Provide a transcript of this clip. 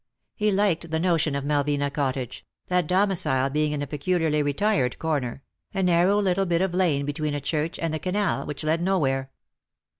He liked the notion of Malvina Cottage, that domicile being in a peculiarly retired corner — a narrow little bit of lane between a church and the canal, which led nowhere.